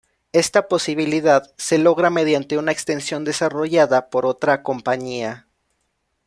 Esta posibilidad se logra mediante una extensión desarrollada por otra compañía.